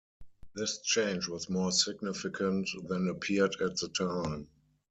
This change was more significant than appeared at the time.